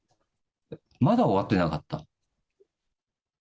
まだ終わってなかった。